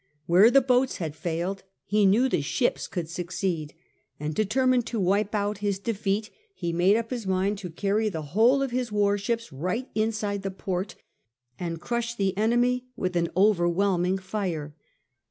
Where the boats had failed he knew the ships could succeed, and determined to wipe out his defeat he made up his mind to carry the whole of his warships right inside the port, and crush the enemy with an overwhelming fire.